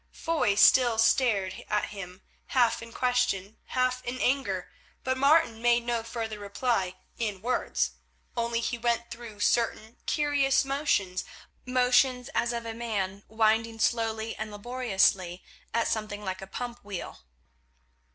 Foy still stared at him, half in question, half in anger, but Martin made no further reply in words. Only he went through certain curious motions, motions as of a man winding slowly and laboriously at something like a pump wheel.